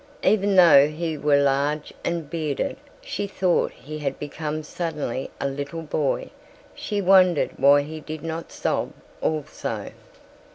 Even though he were large and bearded she thought he had become suddenly a little boy. She wondered why he did not sob also.